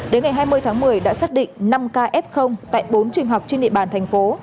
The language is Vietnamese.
đến ngày hai mươi tháng một mươi đã xác định năm kf tại bốn trường học trên địa bàn thành phố